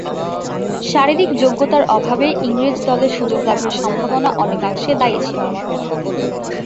শারীরিক যোগ্যতার অভাবে ইংরেজ দলে সুযোগ লাভের সম্ভাবনা অনেকাংশে দায়ী ছিল।